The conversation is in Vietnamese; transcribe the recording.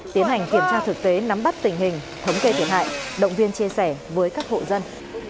tiến hành kiểm tra thực tế nắm bắt tình hình thống kê thiệt hại động viên chia sẻ với các hộ dân